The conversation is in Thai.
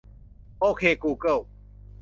โอเคกูเกิล